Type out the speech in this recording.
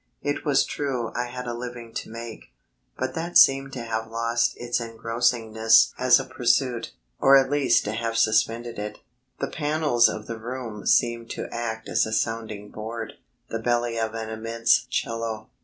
It was true I had a living to make, but that seemed to have lost its engrossingness as a pursuit, or at least to have suspended it. The panels of the room seemed to act as a sounding board, the belly of an immense 'cello.